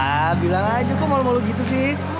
nah bilang aja kok mau mau gitu sih